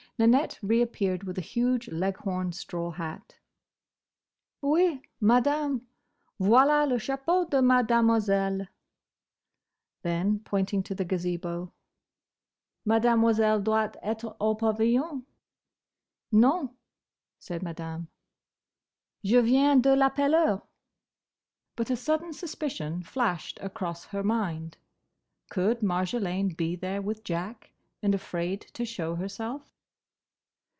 Nanette reappeared with a huge Leghorn straw hat. "Oui, Madame, voilà le chapeau de Mademoiselle." Then, pointing to the Gazebo, "Mademoiselle doit être au pavillon." "Non," said Madame, "je viens de l'appeler." But a sudden suspicion flashed across her mind. Could Marjolaine be there with Jack, and afraid to show herself?